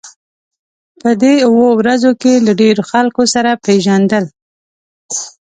په دې اوو ورځو کې له ډېرو خلکو سره پېژندل.